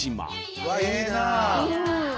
うわっいいなあ！